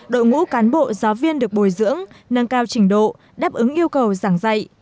đội ngũ cán bộ giáo viên được bồi dưỡng nâng cao trình độ đáp ứng yêu cầu giảng dạy